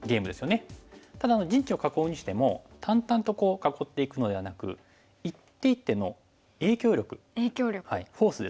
ただ陣地を囲うにしても淡々と囲っていくのではなく一手一手の影響力フォースですね。